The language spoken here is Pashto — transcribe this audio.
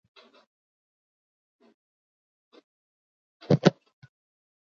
د نوي پاچا دربار ته سوغاتونه یوسي.